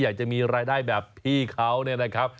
อยากจะมีรายได้แบบพี่เขาเนี่ยนะครับ